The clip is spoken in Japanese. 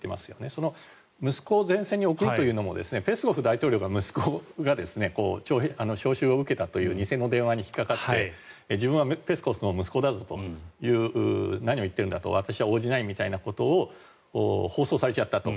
その息子を前線に送るというのをペスコフ報道官の息子も招集を受けたという偽の電話に引っかかって自分はペスコフの息子だぞ何を言っているんだ私は応じないということを放送されちゃったと。